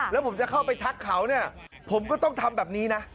แล้วผมจะเข้าไปทักเขาเนี่ยผมก็ต้องทำแบบนี้นะ